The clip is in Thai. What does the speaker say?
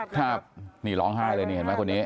ครับนี่ร้องไห้เลยนี่เห็นไหมคนนี้